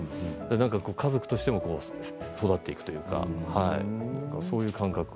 家族としても育っていくというかそういう感覚を。